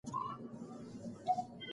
ګوله له خولې څخه راویستل شوه.